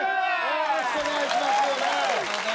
よろしくお願いします。